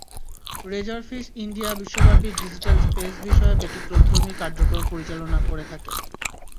Razorfish India বিশ্বব্যাপী digital space বিষয়ে ব্যতিক্রমধর্মী কার্যক্রম পরিচালনা করে থাকে।